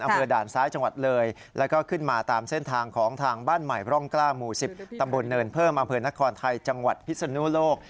เผลอนครไทยจังหวัดพิศนุโลก